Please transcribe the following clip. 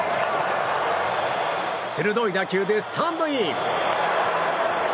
鋭い打球でスタンドイン。